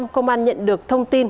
công an nhận được thông tin